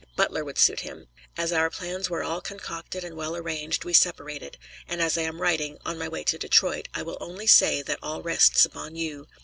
Butler would suit him. As our plans were all concocted and well arranged, we separated, and as I am writing on my way to Detroit I will only say that all rests upon you.